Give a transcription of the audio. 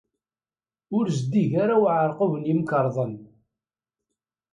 Ur zeddig ara uɛeṛqub n yemkerḍen.